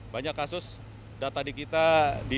banyak kasus data di kita di dua ribu dua puluh satu